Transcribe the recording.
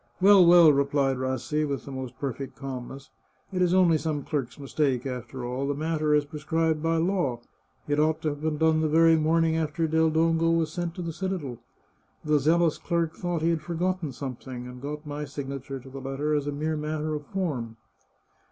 " Well, well," replied Rassi, with the most perfect calm ness, " it is only some clerk's mistake, after all. The matter 380 The Chartreuse of Parma is prescribed by law. It ought to have been done the very morning after Del Dongo was sent to the citadel. The zealous clerk thought he had forgotten something, and got my signature to the letter as a mere matter of form."